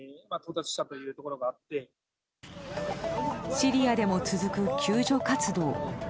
シリアでも続く救助活動。